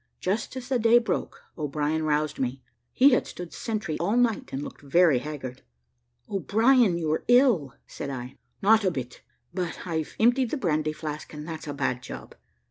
Just as the day broke, O'Brien roused me; he had stood sentry all night, and looked very haggard. "O'Brien, you are ill," said I. "Not a bit; but I've emptied the brandy flask; and that's a bad job.